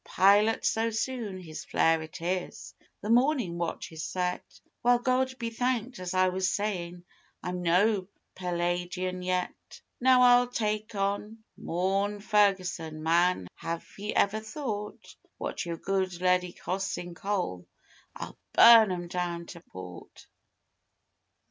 Pilot so soon? His flare it is. The mornin' watch is set. Well, God be thanked, as I was sayin', I'm no Pelagian yet. Now I'll tak' on.... _'Morrn, Ferguson. Man, have ye ever thought What your good leddy costs in coal?... I'll burn 'em down to port.